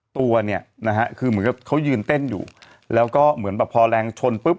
ตัวเนี่ยนะฮะคือเหมือนกับเขายืนเต้นอยู่แล้วก็เหมือนแบบพอแรงชนปุ๊บ